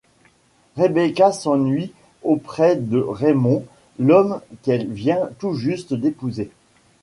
Rebecca s’ennuie auprès de Raymond, l’homme qu’elle vient tout juste d’épouser.